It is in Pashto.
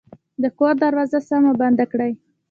د کور دروازه سمه بنده کړئ